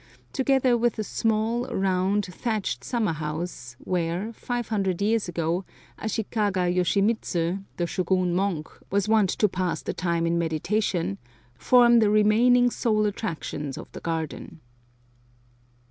together with a small, round, thatched summer house, where, five hundred years ago, Ashikaga Yoshimitsu, the Shogun monk, was wont to pass the time in meditation, form the remaining sole attractions of the garden.